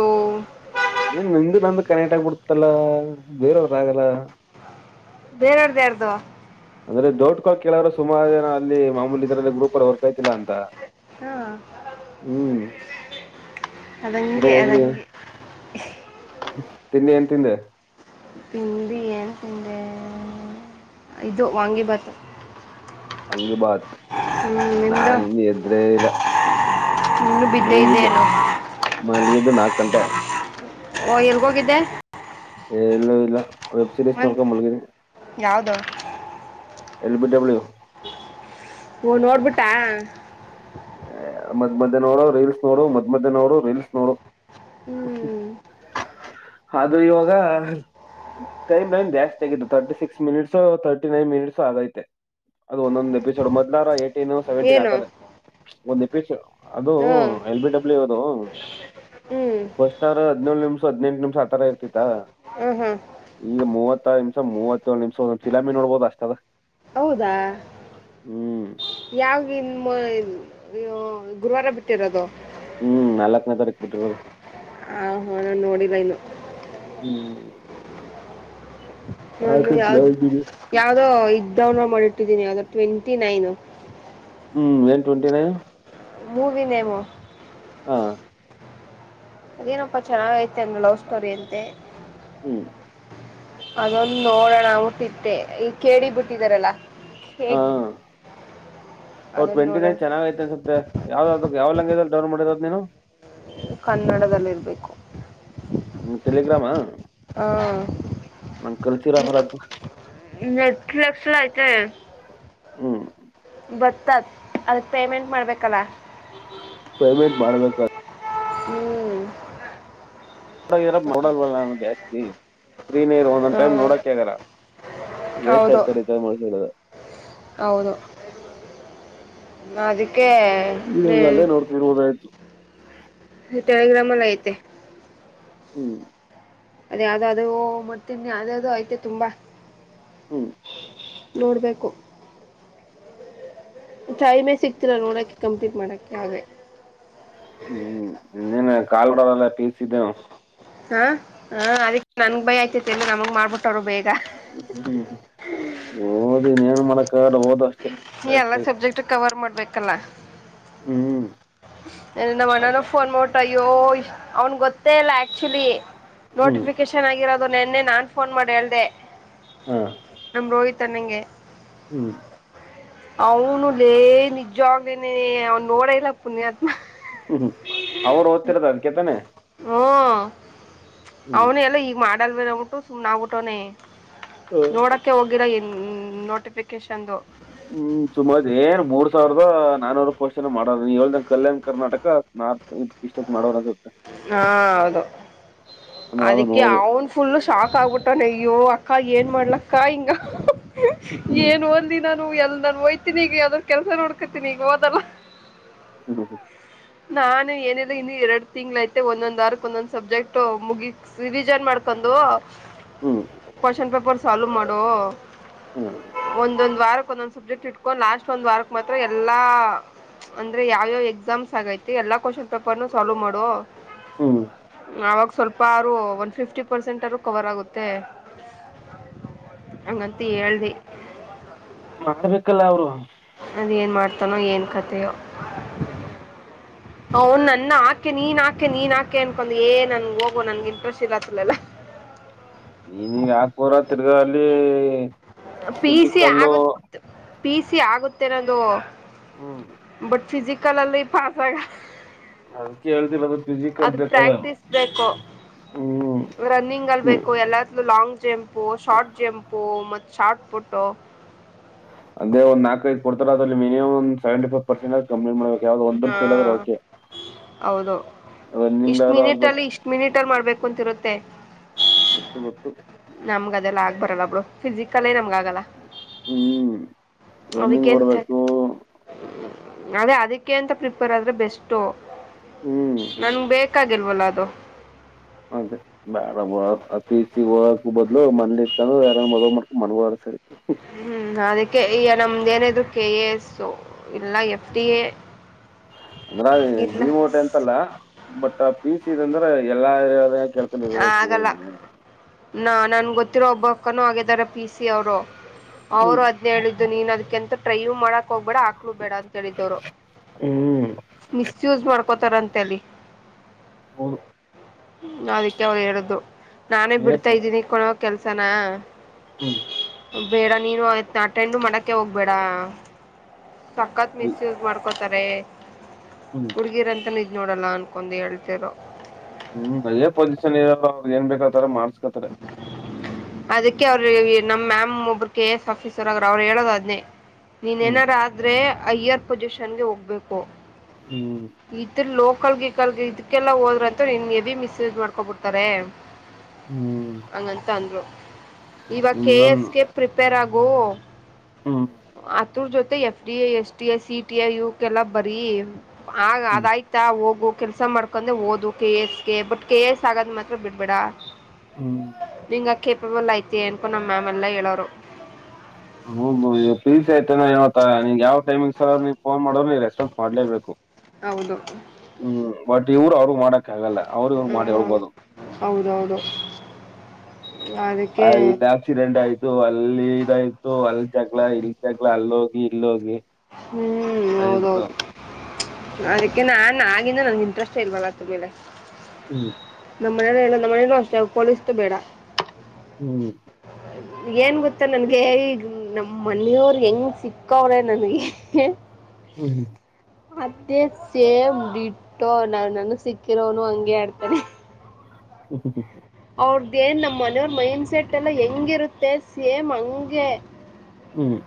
ಓ ಏನ್ ನಿಂದು ನಂದು ಕನೆಟ್ ಆಗಬಿಡ್ತಲ್ಲ ಬೇರವ್ರದ ಆಗಲ್ಲ. ಬೇರೆಯವರದು ಯಾರ್ದು. ಅಂದ್ರೆ ಡೌಟ್ ಗಳು ಕೇಳೋರು ಸುಮಾರು ಜನ ಅಲ್ಲಿ ಮಾಮೂಲಿ ಇದ್ರಲ್ಲಿ ಗ್ರೂಪ ಅಲ್ಲಿ ವರ್ಕ್ ಆಯ್ತಿಲ್ಲ ಅಂತ. ಹಾ ಹ್ಮ್ ಬುಡು ಅದಂಗೆ ಹೋಗ್ಲಿ. ಅದಂಗೆ ತಿಂಡಿ ಏನ್ ತಿಂದೆ. ತಿಂಡಿ ಏನ್ ತಿಂದೆ ಇದು ವಾಂಗಿ ಭಾತು. ವಾಂಗೀ ಬಾತ್ ನಾ ಇನ್ ಎದ್ದೆ ಇಲ್ಲ. ಇನ್ನು ಬಿದ್ದೆ ಮಲ್ಲಿಗಿದ್ದ ಇದ್ದೇನು ಮಲ್ಲಿಗಿದ್ದು ನಾಕ ಗಂಟೆ. ಓ ಎಲ್ಗೋಗಿದ್ದೆ. ಎ ಎಲ್ಲೂ ಇಲ್ಲ ವೆಬ್ ಸೀರೀಸ್ ಒಂದ್ ನೋಡ್ಕೊಂಡು ಮಲಗಿದ್ದೆ. ಯಾವ್ದು ಎಲ್ ಬಿ ಡಬ್ಲ್ಯು. ಓ ನೋಡ್ಬಿಟ್ಟಾ. ಮದ್ ಮದ್ಯ ನೋಡು ರೀಲ್ಸ್ ನೋಡು ಮದ್ ಮದ್ಯ ನೋಡು ರೀಲ್ಸ್ ನೋಡು. ಹ್ಮ್ ಅದು ಇವಾಗ. ಟೈಮ್ ಏನ್ ಜಾಸ್ತಿ ಆಗತ್ತು thirty six minutes thirty nine minutes ಆಗೈತೆ. ಅದು ಒಂದೊಂದಂದು ಎಪಿಸೋಡ್ ಮೊದಲಾರ ಏಟೀನ್ ಸೆವೆಂಟಿನ್ ಏನು ಆತಾರ. ಒಂದು ಎಪಿಸೋಡ್. ಅದು ಹ್ಮ್ ಎಲ್ ಬಿ ಡಬ್ಲ್ಯೂ ಅದು ಹ್ಮ್ ಫಸ್ಟ್ರ್ ರಾ ಹದಿನೇಳು ನಿಮಿಷ. ಹದ್ನೆಂಟು ನಿಮಿಷ ಆ ತರ ಇರ್ತಿತ್ತ ಹ್ಮ್ ಹ್ಮ್ ಈಗ ಮೂವ ಹತ್ತ ನಿಮಿಷ ಮೂವತ್ತೇಳು ನಿಮಿಷ ಒಂದೊಂದು ಫಿಲ್ಮ್ ನೋಡ್ಬೋದು ಅಷ್ಟ ಆದ. ಹೌದಾ ಯಾವ ಇನ್ ಮೂವ್ ಗುರುವಾರ ಬಿಟ್ಟಿರೋದು. ಹ್ಮ್ ನಾಲ್ಕನೇ ತಾರೀಕು ಬಿಟ್ಟಿರೋದು. ಆ ಹ ನು ನೋಡಿದ ಇಲ್ಲೋ. ಹ್ಮ್ ಒಂದು ನಾಲ್ಕನೇ ಯಾವ್ದ ತಾರೀಕಿಗೆ. ಯಾವ್ದೋ ಇದ. ಡೌನ್ಲೋಡ್ ಮಾಡಿಟ್ಟಿದ್ದೀನಿ ಅದು ಟ್ವೆಂಟಿ ನೈನು ಹ್ಮ್ ಏನ್ ಟ್ವೆಂಟಿ ನೈನ್ ಮೂವ ನೇಮ ಹಾ ಅದೇನಪ್ಪಾ ಚೆನ್ನಾಗ ೈತೆ ಅಂದ ಲವ್ ಸ್ಟೋರಿ ಅಂತೆ ಹ್ಮ್ ಅದೊಂದು ನೋಡೋಣ ಊಟ್ಟಿತ್ತೆ ಈ ಕೇಳಿ ಬಿಟ್ಟಿದಾರಲ್ಲಾ ಹಾ ಅವ ಅದನ್ನ ಟ್ವೆಂಟಿ ನೋಡೋಣ ನೈನ್ ಚೆನ್ನಾಗ ಐತೆ ಅನ್ಸುತ್ತೆ ಯಾವ್ದಾವ್ದು ಯಾವ್ ಲಂಗಗೆ ಇ ಡೌನ್ ಮಾಡದ ನೀನು ಕನ್ನಡದಲ್ಲಿರಬೇಕು ಹ್ಮ ತೆಲಗ್ರಾಮಾ ಹ ಕಳ್ಸಿರಲ್ಲ ಅದು ಎಟ್ ಲಕ್ಷ ಆಯತ ಹ ಹ್ಮ್ ಬತ್ತತ್ ಅದಕ್ಕೆ ಪೇಮೆಂಟ್ ಮಾಡ್ಬೇಕಲ್ಲ ಪೇಮೆಂಟ್ ಮಾಡಬೇಕಾದ ಹ್ಮ್ ನಡರ ನೋಡಲ್ವಲ್ಲ ನಾನು ಜಾಸ್ತಿ ರೀ ನೀರು ಹ ಒಂದೊಂದ್ ಟೈಮ್ ನೋಡಕ್ ಆಗಾರ ವೇಸ್ಟ್ ಹೌದು ಆಯ್ತ ರೀತಸಡುದ ಹೌದು ನದ ಇಗಲ್ಲೇ ನೋಡ್ತಿ ಇರುವುದಾಯ್ತು ತಳಗ್ರಾಮಲ್ಲ ಐತೆ ಹ್ಮ್ ಅದೇ ಯಾವ್ದೋ ಅದ ಮರ್ತೀನ್ಅದ ಅದು ಐಯ್ತೇ ತುಂಬಾ ಹ್ಮ್ ನೋಡ್ಬೇಕು ಟೈಮೆ ಸಿಗ್ತಿರ ನೋಡಕ್ಕೆ ಕಂಪ್ಲೀಟ್ ಮಾಡಕ್ಕೆ ಹಾಗೆ ಹ್ಮ್ ಇನ ಕಲ್ವಾಡಾಲ ಪಸಿದ್ದೇ ಹಾ ಹಾ ಅದಕೆ ನನ್ಗ್ ಭೈಯಾ ಆಯ್ತತಿ ಅಂದ್ರ ನಮಗ್ ಮಾಡ್ಬಿಟ್ಟವರು ಬೇಗ ಹ್ಮ್ ಓದ್ ಇನ್ನೇನ್ ಮಾಡಕ್ಕಾಗಲ್ಲ ಓದು ಅಷ್ಟೇ ಎಲ್ಲ ಜಾಸ್ತಿ ಸಬ್ಜೆಕ್ಟ್ ಕವರ್ ಮಾಡ್ಬೇಕಲ್ಲ ಹ್ಮ್ ನಮ್ಮ ಅಣನ ಮಾಡ್ಲೆ ಫೋನ್ ಮಾಡೋಟ್ಟ ಅಯ್ಯೋ ಅವ್ನ್ ಗೊತ್ತೇ ಇಲ್ಲ ಆಕ್ಚುಲಿ ಹ್ಮ್ ನೋಟಿಫಿಕೇಶನ್ ಆಗಿರೋದು ನೆನ್ನೆ ನಾನ್ ಫೋನ್ ಮಾಡಿ ಹೇಳ್ದ ಹಾ ರೋಹಿತ್ ಅನ್ನಗೆ ಹ್ಮ್ ಅವನು ಲೇ ನಿಜವಾಗೇನೇ ಅವನ್ ನೋಡ ಇಲ್ಲ ಪುನ್ಯತ್ ಹ್ಮ್ಮ್ ಮ್ ಅವರು ಓದ್ತಿರದ ಅದ್ಕತಾನೆ ಹ್ಞೂ ಅವನ ಎಲ್ಲ ಈಗ ಮಾಡಲ್ ಬೇ ನೋಗ್ಬಿಟ್ಟು ಸುಮ್ಮ್ನೆ ಆಗಬೀಟ್ಟವನ ನೋಡಕ್ಕೆ ಹೋಗಿರೋ ಈ ನೋಟಿಫಿಕೇಶನ್ದು ಸುಮಾರ ಏನ್ ಮೂರ್ ಸಾವಿರದ ನಾನೂರು ಪೋಸ್ಟ್ ಮಾಡ ನೀ ಹೇಳ್ದ ಕಲ್ಯಾಣ್ ಕರ್ನಾಟಕ ನಾರ್ತ್ ಇಷ್ಟ ಮಾಡೋರ ಅದು ಹಾ ಹೌದು ನಾನ್ ಯಾವ್ದೋ ಅದಕ್ಕೆ ನೋಡ್ದೆ ಅವನ್ ಫುಲ್ ಶಾಕ್ ಆಗ್ಬಿಟ್ಟ ನಯ್ಯೋ ಹಾಗ ಏನ್ ಮಾಡ್ಲಕ್ಕ ಹಿಂಗ ಹ್ಮ್ ಏನ್ ಒಂದ ನಾನು ಎಲ್ ನಾನು ಹೋಯ್ತೀನಿಗ ಯಾವ್ದಾದ್ರ ಕೆಲಸ ನೋಡ್ಕತಿನಿ ಈಗ ಹೋದಲ್ಲ ಹ್ಮ್ ಹ್ಮ ನಾನು ಏನಿಲ್ಲ ಇನ್ನು ಎರಡ್ ತಿಂಗಳ ಐತೆ ಒಂದೊಂದ್ ವಾರ ಕೈ ಒಂದೊಂದ್ ಸಬ್ಜೆಕ್ಟ್ ಮುಗಿಸಿ ರಿವಿಜನ್ ಮಾಡ್ಕೊಂಡ ಬಂದು ಹ್ಮ್ ಕೋಶನ್ ಪೇಪರ್ ಸಾಲ್ವ್ ಮಾಡು ಹ್ಮ್ ಒಂದೊಂದ ವಾರಕ್ ಒಂದೊಂದ ಸಬ್ಜೆಕ್ಟ್ ಇಟ್ಕ ಲಾಸ್ಟ್ ಒಂದ್ ವಾರಕ ಮಾತ್ರ ಎಲ್ಲಾ ಅಂದ್ರ ಯಾವ್ಯಾವ್ ಎಕ್ಸಾಮ್ಸ್ ಆತಿ ಎಲ್ಲಾ ಕೋಶನ್ ಪೇಪರ್ನುೂ ಸಾಲವ್ ಮಾಡು. ಹ್ಮ. ಅವಾಗ ಸ್ವಲ್ಪರು ಒನ್ ಫಿಫ್ಟಿ ಪರ್ಸೆಂಟ್ರು ಕವರ್ ಆಗುತ್ತೆ. ಹಂಗಂತ ಹೇಳ್ದೆ. ಮಾಡ್ಬೇಕಲ್ಲ ಅವ್ರು. ಅದ ಏನ್ ಮಾಡ್ತಾನೋ ಏನ್ ಕಥೆಯೋ. ಆವಾ ನನ್ನ ಹಾಕಿ ನೀನ್ ಹಾ ಅಕೆ ನೀನ ಹಾಕೆ ಅನ್ಕೊಂಡ್ ಏ ನನ್ ಹೋಗೋ ನನ್ಗೆ ಇಂಟ್ರೆಸ್ಟ್ ಇರತ್ತಲ್ಲ. ನೀನ್ ಯಾಕಪೂರ ತಿರ್ಗಲ್ಲಿ ಪಿ ಸಿ ಆಗುತ ಪಿ ಸಿ ಆಗುತ್ತೆ ನಂದು ಹ್ಮ್ ಬಟ್ ಫಿಸಿಕಲ್ ಅಲ್ಲಿ ಪಾಪ ಅದಕ್ಕೆ ಹೇಳ್ತಿಲ್ಲ ಅದು ಫಿಜಿಕಲ್ ಬೇಕಲ್ಲ. ಪ್ರಾಕ್ಟೀಸ್ ಬೇಕು ಹ್ಮ್ ರನ್ನಿಂಗ್ ಅಲ್ ಹ್ಮ್ ಬೇಕು ಎಲ್ಲತ್ ಲಾಂಗ್ ಜೆಂಪ ಶಾರ್ಟ್ ಜಂಪು ಮ ಶಾರ್ಟ್ ಫೋಟೋ. ಅದೇ ಒಂದ ನಾಕ ಐ ಕೊಡ್ತಾರ ಅದಲ್ಲಿ ಮಿನಿಮಮ್ ಒ ಸೆವೆಂಟ ಫೈವ ಪರ್ಸೆಂಟ್ ಕಾಮ್ಮಿ ಮಾಡಬೇಕ. ಹಾ ಹೌದು. ರನ್ನಿಂಗ್ ಇಷ್ಟ್ ಆದ್ರೂ ಮಿನಿಟ್ ಆಗ್ಬೇಕು ಅಲ್ಲಿ ಇಷ್ಟ್ ಮಿನಿಟ್ ಅಲ್ಲಿ ಮಾಡ್ಬೇಕು ಅಂತಿರುತ್ತೆ. ಗೊತ್ತು ಗೊತ್ತು. ಪರಲ್ಲ ಬ್ರ ಫಿಸಿಕಲ್ ನಮ್ಗ ಹ್ಮ್ ಅದಕ್ಕೆ ರನ್ನಿಂಗ್ ಎಂತ ಓಡ್ಬೇಕು ಅದೇ ಅದಕ್ಕೆ ಅಂತ ಪ್ರಿಪೇರ್ ಆದ್ರೆ ಬೆಸ್ಟ್ ಹ್ಮ್ ನ ಬೆ ಕಾಗಿಲ್ಲಲ ಅದು ಅದೇ ಬೇಡ ಬೊ ಹೋಗಕ್ ಬದ್ಲು ಮನಲಿ ಇರ್ಕಂದ ಯಾರ ಮದ್ ಮಾಡ್ಕೊಂಡ ಸರೀ. ಹ್ಮ ಅದಕ್ಕೆ ಈಗ ನಮ್ದ ಏನಿದ್ರು ಕೆ ಎ ಎಸ್ ಇಲ್ಲ ಎಫ್ ಡಿ ಎ. ಅಂದ್ರ ಇಲ್ಲ ಡಿಮೋಟ್ ಅಂತಲ್ಲ ಬಟ್ ಪಿ ಸಿ ಅಂದ್ರ ಎಲ್ಲಾ ಕೆೇಳ್ಕನ ಇರ್ಬೇಕು ಹೋಗ ಆಗಲ್ಲ ನಾ ನನ್ ಗೊತ್ತಿರೋ ಒಬ್ಬ ಅಕ್ಕನೂ ಆಗಿದಾರ ಪಿ ಸಿ ಅವ್ರು. ಹ್ಮ್ ಅವರು ಅದ್ನೇಳಿದ್ದು ನೀನ್ ಅದ್ಕಂತ ಟ್ರ ಮಾಡಕ್ ಹೋಗ್ಬೇಡ ಹಾಕ್ಲು ಬೇಡ ಅಂತ ಹೇಳಿದವರು ಹ್ಮ್ ಮಿಸ್ಯೂಜ್ ಮಾಡ್ ಉಪ್ಪತರಂತಲ್ಲಿ ಹ್ಮ. ಅದಕ್ಕೆ ಅವ ಹೇಳಿದ್ದು ನಾನೇ ಬಿಡ್ತಾ ಇದ್ದೀನಿ ಕೊನೋ ಕೆಲ್ಸನ. ಹ್ಮ. ಬೇಡ ನೀನು ದ ಅಟೆಂಡ ಮಾಡಕ ಹೋಗ್ಬೇಡ ಸಕ್ಕತ್ ಮಿಸ್ಯೂಜ್ ಮಾಡ್ಕೊತ ತಾರೆ ಹ್ಮ್ ಹುಡ್ಗಿರಂತ ಇದ್ ನೋಡಲ್ಲ ಅನ್ಕೊಂಡ್ ಹೇಳ್ತಿರ. ಹ್ಮ ಅದೇ ಪೊಸಿಷನ್ ಇರಲ್ಲ ಅವ ಏನ್ ಬೇಕತಾರ ಮಾಡ್ಸ್ಕತ್ತಾರೆ. ಅದಕ್ಕೆ ಅವ್ರ ನಮ್ಮ ಮ್ಯಾಮ್ ಒಬ್ರು ಕೆ ಎ ಎಸ್ ಆಫೀಸರ್ಗ್ರ ಅವ್ರು ಹೇಳೋದದ್ನೇ. ನೀನ್ ಹ್ಮ್ ಎನಾರ ಆದ್ರೆ ಅಯ್ಯರ್ ಪೊಸಿಷನ್ಗೆ ಹೋಗ್ಬೇಕು ಹ್ಮ್ ಈತರ ಲೋಕ್ ಕಲ್ಗ ಗಿಕಲ್ ಇದಕ್ಕೆಲ್ಲಾ ಹೋದ್ರ ಅಂತೂ ನಿನ್ಗೆ ಭ ಮಿಸ್ಯೂಜ್ ಮಾಡ್ಕೊಬಿಡ್ತಾರೆ. ಹ್ಮ್ ಹಂಗ ಅಂತ ಅಂದ್ರು. ಇವಾಗ ಕೆ ಎಸ್ ಇನ್ನೊಂದು ಗೆ ಪ್ರಿಪೇರ್ ಆಗು. ಹ್ಮ್ ಆತರ್ ಜೊತೆ F D A S T A C T A ಇವಕ ಎಲ್ಲ ಬರೀ. ಆ ಹ್ಮ್ ಅದಾಯ್ತಾ ಹೋಗು. ಕೆಲ್ಸ ಮಾಡ್ಕೊಂಡೆ ಓದು ಕೆ ಎಸ್ಗೆ ಬಟ್ ಕೆ ಎಸ್ ಆಗದ್ ಮಾತ್ರ ಬಿಡ್ಬೇಡ. ಹ್ಮ. ನಿಂಗೆ ಕೇಪಬಲ್ ಐತಿ ಅಂದಕ ನ ಮ್ಯಾಮೆಲ್ಲ ಹೇಳೋರು. ಹೌದು ಈಗ ಪಿ ಸಿ ಐತೆನತ ನೀ ಯಾವ ಟೈಮಿಗ ಸರ್ ನೀ ಫೋನ್ ಮಾಡೋ ನೀ ರೆಸ್ಪಾನ್ಸ್ ಮಾಡ್ಲೇಬೇಕು. ಹೌದು. ಹ್ಮ್ ಬಟ್ ಇವ್ರ ಅವ್ರ ಮಾಡಕ್ ಆಗಲ್ಲ ಅವ್ರ ಇವರಿಗೆ ಮಾಡಿ ಹ್ಮ್. ಹೋಗ್ಬಹುದು ಹೌದೌದು ಅದಕ್ಕೆ ಅಲ್ಲಿ ಆಕ್ಸಿಡೆಂಟ್ ಆಯ್ತು ಅ ಅಲ್ಲಿ ಇದಾಯ್ತು ಅಲ್ ಜಗಳ ಇಲ್ ಜಗಳ ಅಲ್ಲೋಗಿ ಇಲ್ಲೋಗಿ ಹ್ಮ್ ಸತ ಹೌದೌದು [unintelligible] ಅದಕ್ಕೆ ನಾನ ಆಗಿಂದ ನನ್ಗೆ ಇಂಟ್ರೆಸ್ಟ ಇಲ್ವಲ್ಲತ್ತ ಮೇಲೆ ಹ್ಮ್ ನಮ್ಮ ಮನೇ ಎಲ್ಲ ನಮ್ಮ ಮನೇನ ಅಷ್ಟೇ ಪೊಲೀಸ್ ಬೇಡ ಹ್ಮ್ ಏನ್ ಗೊತ್ತ ನನ್ಗೆ ಈಗ ನಮ ಮನೆಯವ್ರ ಹೆಂಗ ಸಿಕ್ಕವ್ರೆ ನನ್ಗೆ ಹ್ಮ್ ಹ್ಮ್ ಮತ್ತೇ ಸೇಮ್ ಡಿಟ್ಟು ನ ನನಗೆ ಸಿಕ್ಕಿರೋನು ಹಂಗೆ ಆಡ್ತಾನೇ ಹ್ ಹ ಹ್ ಅವ್ರ್ದೇನ್ ನಮ್ಮ ಮನೆಯವ್ರ ಮೈಂಡ್ಸೆಟ್ ಎಲ್ಲ ಹೆಂಗಿರುತ್ತೆ ಸೇಮ್ ಹಂಗೆ ಹ್ಮ್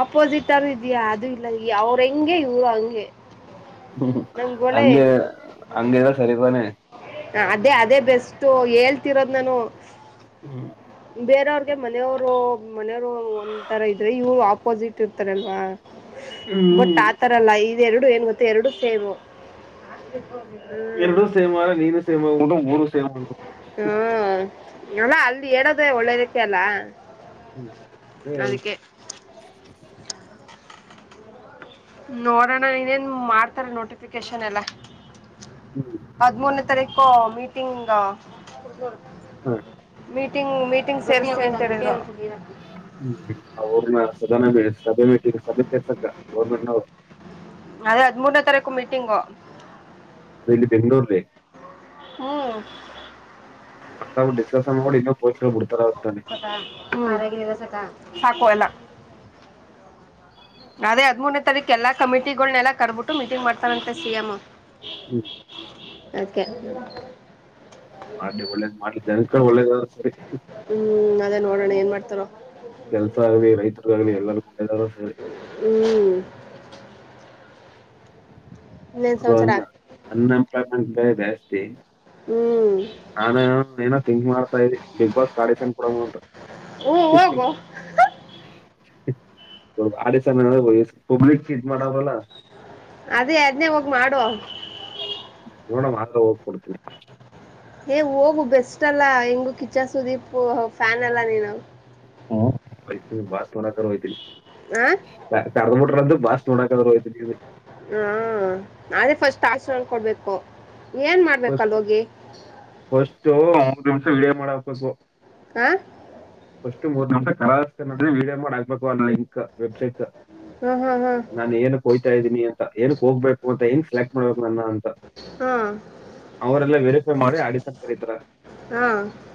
ಆಪೋಸಿಟ್ರು ಇದ್ಯಾ ಅದು ಇಲ್ಲ ಅವ್ರ ಹೆಂಗೆ ಇವ್ರು ಹಂಗೆ ಹ್ಮ ನಮ್ಗ ಒಳ್ಳೆ ಹಂಗೆ ಅಂಗೆನ ಸರಿ ಬಾನೆ ಅದೇ ಅದೇ ಬೆಸ್ಟ್ ಹೇಳ್ತಿರೋದ್ ನಾನು ಹ್ಮ್ ಬೇರೆಯವ್ರಗೆ ಮನೆಯವರು ಮನೆಯವರು ಒಂಥರ ಇದ್ರೆ ಇವ್ರು ಆಪೋಸಿಟ್ ಇರ್ತಾರಲ್ವಾ ಬಟ್ ಹ್ಮ್ ಆತರಲ್ಲ ಇದು ಎರಡು ಏನ್ ಗೊತ್ತ ಎರಡು ಸೇಮು ಎರಡ ಹ್ಮ್ ಸೇಮಾರ ನೀನು ಸೇಮ್ ಆಗಿ ಬಿಟ್ಟು ಮೂರು ಸೇಮ್ ಹ್ಮ ಅಲ್ಲ ಅಲ್ಲಿ ಹೇಳೋದೇ ಒಳ್ಳದಕ್ಕೆ ಅಲ್ಲ ಹ್ಮ್ ಹ್ಮ ಅದಕ್ಕೆ ನೋಡೋಣ ನೀನೇನ್ ಮಾಡ್ತಾರೆ ನೋಟಿಫಿಕೇಶನ್ ಎಲ್ಲ ಹ್ಮ್. ಹದಮೂರನೇ ತಾರೀಕು ಮೀಟಿಂಗ್ ಹ್ಮ ಮೀಟಿಂಗ್ ಮೀಟಿಂಗ್ ಸೇರಿಸಕೋ ಅಂತ ಹೇಳಿದರು ಹ್ಮ್ ಅವರು ನಾ ಸದನ ಸಭೆ ಮೀಟಿಂಗ್ ಸಭೆ ಸೇರ್ಸಕ್ ಗೌರ್ಮೆಂಟ್ ನವು ಅದೇ ಹದಮೂರನೇ ತಾರೀಕು ಮೀಟಿಂಗು ಅದ ಇಲ್ಲಿ ಬೆಂಗಳೂರಿಲ್ಲಿ ಹ್ಮ್ ಮತ್ ಅವ್ ಡಿಸ್ಕಸನ್ ನೋಡಿ ಇನ್ನೋ ಪೋಲೀಸರ ಬಿಡ್ತಾರ ಅಂತಾನೆ ಸಕ ಮರಗಲ್ಲ ಸಕ ಸಾಕು ಎಲ್ಲ ಅದೇ ಹದಮೂರನೇ ತಾರೀಕ ಎಲ್ಲ ಕಮಿಟಿಗಳನೆೆಲ್ಲ ಕರ್ಬಿಟ್ಟು ಮೀಟಿಂಗ್ ಮಾಡ್ತಾರಂತೆ ಸಿ ಎಂ ಹ್ಮ್ ಅದಕ್ಕೆ ಮಾಡ್ಲಿ ಒಳ್ಳೇದ್ ಮಾಡ್ಲಿ ಜನಗಳಿಗೆ ಒಳ್ಳೇದಾದರೆ ಸರಿ ಹ್ಮ್ ಅದೇ ನೋಡೋಣ ಏನ್ ಮಾಡ್ತಾರ ಕೆಲ್ಸ ಆಗ್ಲಿ ರೈತರಿಗ ಆಗಲಿ ಎಲ್ಲಾರ್ಗೂ ಹ್ಮ್ ಇನ್ನೇನ್ ಅದು ಸಮಾಚಾರ ಅನ್ ಅನ್ಎಂಪ್ಲಾಯ್ಮೆಂಟ್ ಬ ಜಾಸ್ತಿ ಹ್ಮ್ ನಾನ ಏನ ಥಿಂಕ್ ಮಾಡ್ತಾ ಇದಿ ಬಿಗ್ ಬಾಸ್ ಆಡಿಷನ್ ಕೊಡನ ಅಂತ ಹ್ಮ್ ಹೋಗು ಆಡಿಶನ್ ಪಬ್ಲಿಕ್ ಯೂಸ್ ಮಾಡೋದಲ್ಲ. ಅದೇ ಅದ್ನೇ ಹೋಗಿ ಮಾಡು ಪೂರ್ಣ ಭಾಗ ಹೋಗ್ಬಡ್ತೀರಿ ಏ ಹೋಗು ಬೆಸ್ಟ್ ಅಲ್ಲಾ ಹೆಂಗು ಕಿಚನ್ ಸುದೀಪ್ ಫ್ಯಾನ್ ಅಲ್ಲ ನೀನು ಹ ಆಯ್ತ ಬಾಸ್ ಮರಕಯ್ತ ಆ [unintelligible] ಬಾಸ್ ನೋಡಕ್ಕಾದ್ರು ಹೋಯ್ತೆನಂದಿ ಹ್ಮ ಅದೇ ಫಸ್ಟ್ ಆಶೀರ್ವಾದ ಕೊಡ್ಬೇಕು. ಏನ್ ಮಾಡ್ಬೇಕು ಫಸ್ಟ್ ಅಲ್ಲಿ ಹೋಗಿ ಫಸ್ಟು ಮೂರು ನಿಮಿಷ ವಿಡಿಯೋ ಮಾಡಹಾಕ್ ಬೇಕು ಆ. ಫಸ್ಟು ಮೂರು ನಿಮಿಷ ಕರೆಕ್ಟಾಗಿ ನೋಡಿ ವೀಡಿಯೋ ಮಾಡ ಹಾಕ್ಬೇಕು. [unintelligible] ವೆಬ್ಸೈಟ್ ಹಾ ಹಾ ಹಾ ನಾನು ಎನಿಕ್ಕೆ ಹೋಯ್ತಾ ಇದ್ದೀನಿ ಅಂತ ಏನು. ಹೋಗ್ಬೇಕು ಅಂತ ಎನ್ನಿಕೆ ಸೆಲೆಕ್ಟ್ ಮಾಡ್ಬೇಕು ನನ್ನ ಅಂತ. ಹಾ ಅವರೆಲ್ಲ ವೆರಿಫೈ ಮಾಡಿ ಆಡಿಸನ್ ಕರೀತರ ಹಾ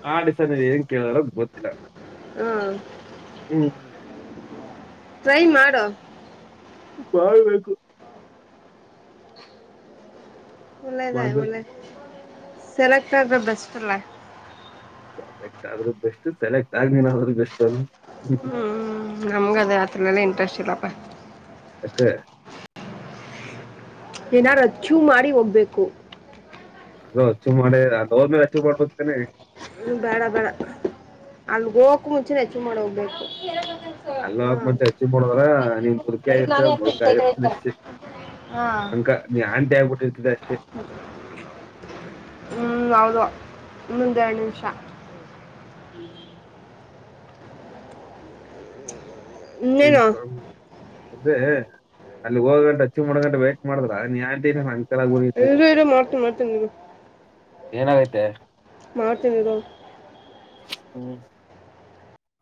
ಆ ಆಡಿಸನ್ ಅಲ್ಲಿ ಏನ್ ಕೇಳಲ್ಲ. ಗೊತ್ತಿಲ್ಲ. ಹಾ ಹ್ಮ್ ಟ್ರೈ ಮಾಡು. ಮಾಡ್ಬೇಕು. ಒಳ್ಳೆದ ಮಾಡ್ಬೇಕು ಒಳ್ಳೆ ಸೆಲೆಕ್ಟ್ ಆದ್ರೆ ಬೆಸ್ಟ್ ಅಲ್ಲ. ಸೆಲೆಕ್ಟ್ ಆದ್ರೂ ಬೆಸ್ಟ್ ಸೆಲೆಕ್ಟ್ ಆಗಿಲ್ಲಾ. ಹ್ಮ್ ನಮ್ಗದೇ ಅದರಲೆಲ್ಲ ಇಂಟ್ರೆಸ್ಟ್ ಇಲ್ಲಪ್ಪ. [unintelligible] ಏನಾರು ಅಚೀವ್ ಮಾಡಿ ಹೋಗ್ಬೇಕು. ಅದು ಅಚೀವ್ ಮಾಡೇ ಅಲ್ಲೊದ್ ಮೇಲೆ ಅಚೀವ್ ಮಾಡ್ಬೋದ ತಾನೆ. ಹೂ ಬೇಡ ಬೇಡ ಅಲ್ಲಿ ಹೋಗೊಕು ಮುಂಚೆನೇ ಅಚೀವ್ ಮಾಡ ಹೋಗ್ಬೇಕು. ಅಲ್ಲ ಹಾ ಹೋಗೋಕೆ ಮುಂಚೆ ಅಚೀವ್ ಮಾಡೋದ್ರೆ ನೀವ್ ಮುದುಕಿ ಆಗಿರ್ತೀರ ನಾನೇ ನಾನು ಹಾಕ್ತೀನಿ ಮುದುಕ ಕೈ ತೊಳಿತಾರೆ ಆಗಿರುತ್ತೇನಷ್ಟೇ. ಅಂಕ ನೀ ಆಂಟಿಯಗ್. ಹೂ ಹೌದು. ಒಂದೆರಡು ನಿಮಿಷ. ಏನ್ ಇನ್ನೇನು [inaudible] ಅದೇ ಅಲ್ಲಿ ಹೋಗ ಗಂಟ ಅಚೀವ್ ಮಾಡ ಗಂಟ ವೈಟ್ ಮಾಡಿದ್ರ ಯಾರ್. ಅಂಕಲ್ ಆಗಿರ್ತೀನಿ ಇರು ಇರು ಮಾಡ್ತೀನಿ ಮಾಡ್ತೀನಿ ಇರು ಏನಾಗೈತೆ. ಮಾಡ್ತೀನಿ ಇರು. ಹ್ಮ್.